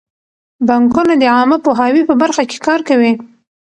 بانکونه د عامه پوهاوي په برخه کې کار کوي.